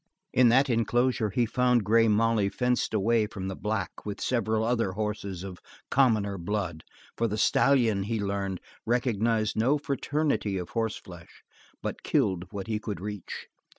In that enclosure he found Grey Molly fenced away from the black with several other horses of commoner blood, for the stallion, he learned, recognized no fraternity of horseflesh, but killed what he could reach.